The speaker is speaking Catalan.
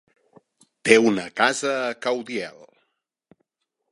Té una casa a Caudiel.